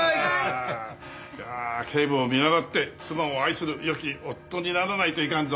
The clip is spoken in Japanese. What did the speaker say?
警部を見習って妻を愛する良き夫にならないといかんぞ。